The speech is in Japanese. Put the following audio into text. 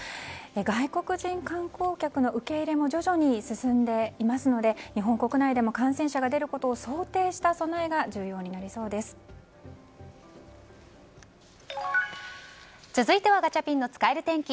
外国人観光客の受け入れも徐々に進んでいますので日本国内でも感染者が出ることを想定した備えが続いてはガチャピンの使える天気。